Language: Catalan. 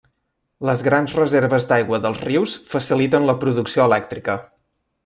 Les grans reserves d'aigua dels rius faciliten la producció elèctrica.